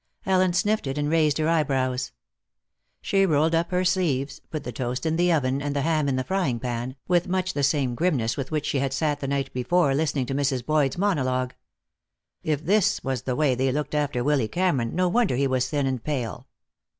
Ellen sniffed it and raised her eyebrows. She rolled up her sleeves, put the toast in the oven and the ham in the frying pan, with much the same grimness with which she had sat the night before listening to Mrs. Boyd's monologue. If this was the way they looked after Willy Cameron, no wonder he was thin and pale.